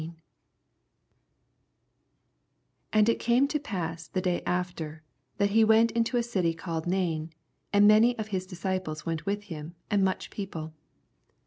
11 And it came to pass the day af ter, that he went into a city called Nwn ; and many of his disciples went with him, and much people.